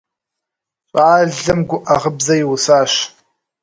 Щӏалэм гуӏэ гъыбзэ иусащ.